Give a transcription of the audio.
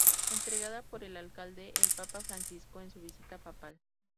Entregada por el Alcalde al Papa Francisco en su visita papal.